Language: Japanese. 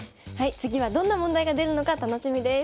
次はどんな問題が出るのか楽しみです。